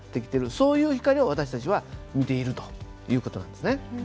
そういう光を私たちは見ているという事なんですね。